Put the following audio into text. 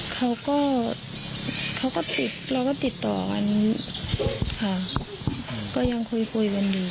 เขาก็เขาก็ติดเราก็ติดต่อค่ะก็ยังคุยวันดี